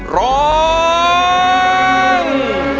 ร้อง